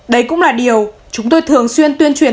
đây cũng là điều chúng tôi thường xuyên tuyên truyền